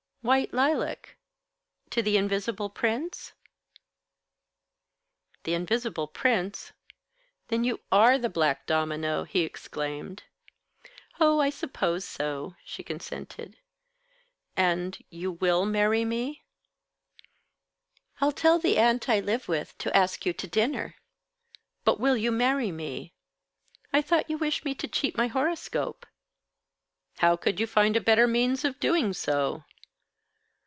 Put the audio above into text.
"White lilac to the Invisible Prince?" "The Invisible Prince Then you are the black domino!" he exclaimed. "Oh, I suppose so," she consented. "And you will marry me?" "I'll tell the aunt I live with to ask you to dinner." "But will you marry me?" "I thought you wished me to cheat my horoscope?" "How could you find a better means of doing so?"